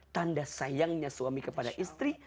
tanda sayangnya suami kepada istri